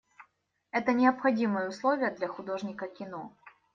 Это необходимое условие для художника кино.